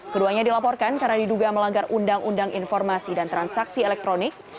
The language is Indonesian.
keduanya dilaporkan karena diduga melanggar undang undang informasi dan transaksi elektronik